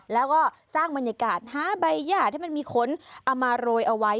แล้วก็สร้างบรรยากาศที่มีคนเอามาโรยเอาไว้